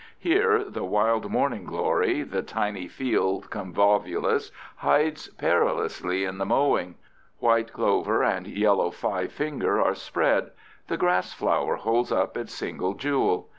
Here the "wild morning glory," the tiny fields convolvulus, hides perilously in the mowing; white clover and yellow five finger are spread; the grassflower holds up its single jewel.